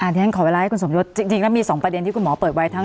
ที่ฉันขอเวลาให้คุณสมยศจริงแล้วมี๒ประเด็นที่คุณหมอเปิดไว้ทั้ง